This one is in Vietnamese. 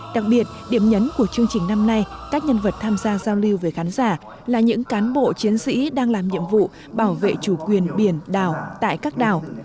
đặc biệt điểm nhấn của chương trình năm nay các nhân vật tham gia giao lưu với khán giả là những cán bộ chiến sĩ đang làm nhiệm vụ bảo vệ chủ quyền biển đảo tại các đảo